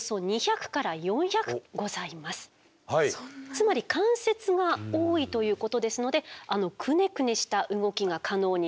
つまり関節が多いということですのであのクネクネした動きが可能になるわけですね。